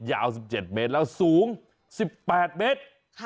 ยาวสิบเจ็ดเมตรแล้วสูงสิบแปดเมตรค่ะ